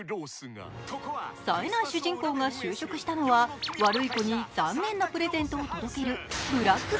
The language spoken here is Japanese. さえない主人公が就職したのは悪い子に残念なプレゼントを届けるブラック